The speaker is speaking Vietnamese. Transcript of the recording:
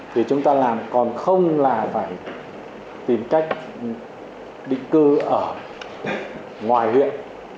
thì chúng ta làm còn không là phải tìm cách định cư ở ngoài huyện